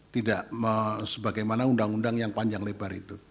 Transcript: tidak sebagaimana undang undang yang panjang lebar itu